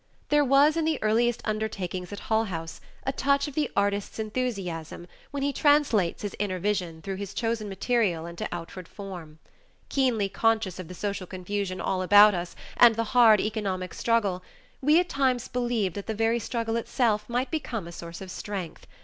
There was in the earliest undertakings at Hull House a touch of the artist's enthusiasm when he translates his inner vision through his chosen material into outward form. Keenly conscious of the social confusion all about us and the hard economic struggle, we at times believed that the very struggle itself might become a source of strength.